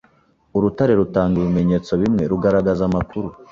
Urutare rutanga ibimenyetso bimwe rugaragaza amakuru